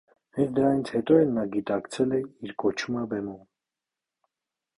Հենց դրանից հետո էլ նա գիտակցել է իր կոչումը բեմում։